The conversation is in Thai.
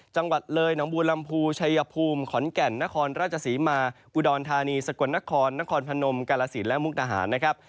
จังหวัดเลยหนองบูลลำภูร์ชายภูมิขอนแก่นนครราชสีมากุฎรธานีสกวรนครนครพานมกละละศิรและมุกนฮาร์นะครับ